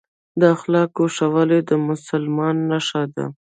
د اخلاقو ښه والي د مسلمان نښه ده.